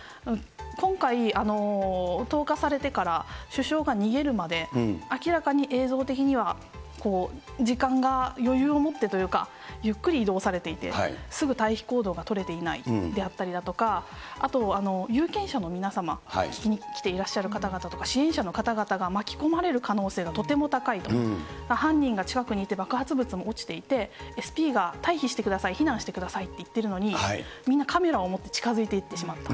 今回、投下されてから首相が逃げるまで、明らかに映像的には、時間が余裕を持ってというか、ゆっくり移動されていて、すぐ退避行動が取れていないであったりだとか、あと有権者の皆様、聞きに来ていらっしゃる方々とか、支援者の方々が巻き込まれる可能性がとても高いと、犯人が近くにいて、爆発物も落ちていて、ＳＰが退避してください、避難してくださいって言っているのに、みんなカメラを持って近づいていってしまった。